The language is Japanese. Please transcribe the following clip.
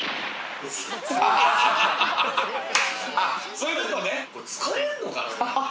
そういうことね。